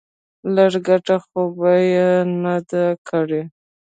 لږه گټه خو يې نه ده کړې.